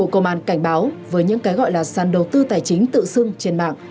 bộ công an cảnh báo với những cái gọi là sàn đầu tư tài chính tự xưng trên mạng